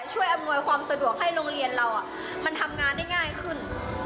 อำนวยความสะดวกให้โรงเรียนเรามันทำงานได้ง่ายขึ้น